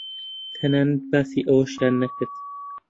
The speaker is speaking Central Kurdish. تەنانەت باسی ئەوەشیان نەکرد